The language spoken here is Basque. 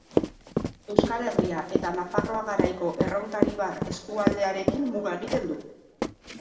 Euskal Herria eta Nafarroa Garaiko Erronkaribar eskualdearekin muga egiten du.